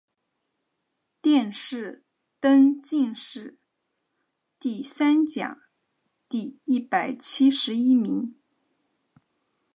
殿试登进士第三甲第一百七十一名。